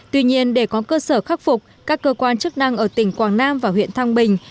tuy nhiên để có cơ sở khắc phục các cơ quan chức năng ở tỉnh quảng nam và huyện thăng bình